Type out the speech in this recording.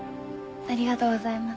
ありがとうございます。